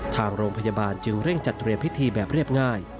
ทางโรงพยาบาลจึงเร่งจัดเตรียมพิธีแบบเรียบง่าย